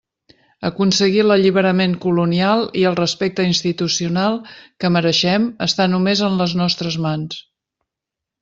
Aconseguir l'alliberament colonial i el respecte institucional que mereixem està només en les nostres mans.